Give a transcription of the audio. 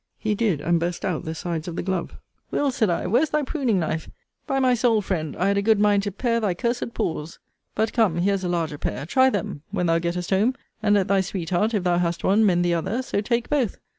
He did; and burst out the sides of the glove. Will. said I, where's thy pruning knife? By my soul, friend, I had a good mind to pare thy cursed paws. But come, here's a larger pair: try them, when thou gettest home; and let thy sweetheart, if thou hast one, mend the other, so take both.